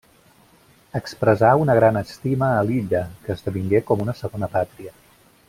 Expressà una gran estima a l'illa, que esdevingué com una segona pàtria.